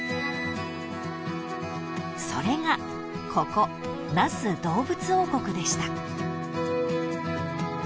［それがここ那須どうぶつ王国でした］